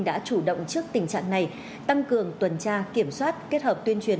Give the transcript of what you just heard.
đã chủ động trước tình trạng này tăng cường tuần tra kiểm soát kết hợp tuyên truyền